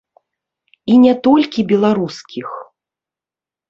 І не толькі беларускіх.